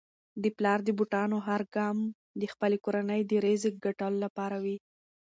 د پلار د بوټانو هر ګام د خپلې کورنی د رزق ګټلو لپاره وي.